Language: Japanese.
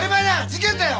事件だよ